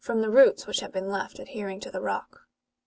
[Book IX. which have been left adhering to the rock.